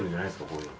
こういうの。